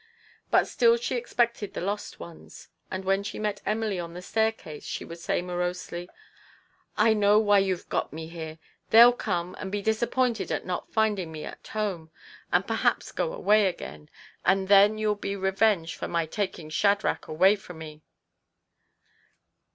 But she still expected the lost ones, and when she met Emily on the staircase she would say morosely, " I know why you've got me here ! They'll come, and be disappointed at riot finding me at home, and perhaps go away TO PLEASE HIS WIFE. 143 again; and then you'll be revenged for my taking Shadrach away from 'ee."